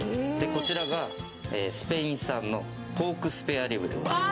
こちらが、スペイン産のポークスペアリブでございます。